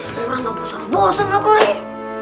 eh lagi berang apain